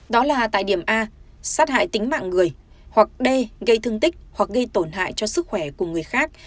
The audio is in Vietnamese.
đó là tại điểm a sát hại tính mạng người hoặc d gây thương tích hoặc gây tổn hại cho sức khỏe của người khác